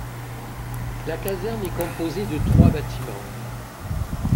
La caserne est composée de trois bâtiments.